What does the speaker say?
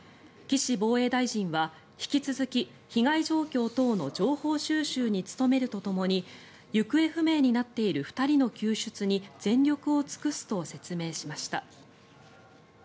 岸防衛大臣は引き続き被害状況等の情報収集に努めるとともに行方不明になっている２人の救出に全力を尽くすと説明しました。